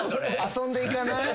「遊んでいかない？」